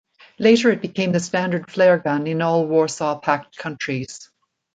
Later it became the standard flare gun in all Warsaw Pact countries.